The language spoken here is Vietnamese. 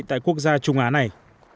tại quốc gia trung á này